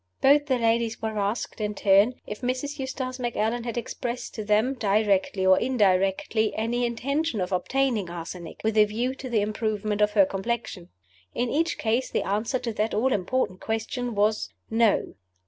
Both the ladies were asked, in turn, if Mrs. Eustace Macallan had expressed to them, directly or indirectly, any intention of obtaining arsenic, with a view to the improvement of her complexion. In each case the answer to that all important question was, No.